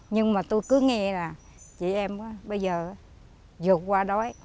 nhưng mà tôi cứ nghe là chị em bây giờ